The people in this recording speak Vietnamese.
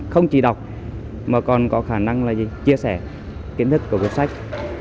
không chỉ đọc mà còn có khả năng là chia sẻ kiến thức của cuốn sách